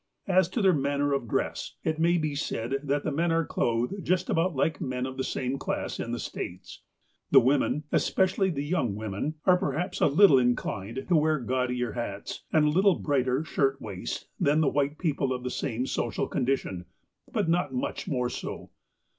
As to their manner of .dress, it may be said that the men are clothed just about like men of the same class in the States. The women, especially the young women, are perhaps a little inclined to wear gaudier hats, and a little brighter shirt waists than white people of the same social condition ; but not much more so.